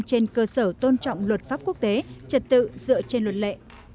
trên cơ sở tôn trọng luật pháp quốc tế trật tự dựa trên luật lệ